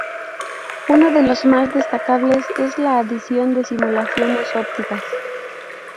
Uno de los más destacables es la adición de simulaciones ópticas.